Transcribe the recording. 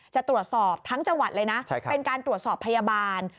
จะตรวจสอบทั้งจังหวัดเลยนะเป็นการตรวจสอบพยาบาล